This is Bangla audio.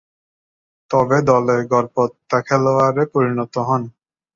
তবে দলে গড়পড়তা খেলোয়াড়ে পরিণত হন।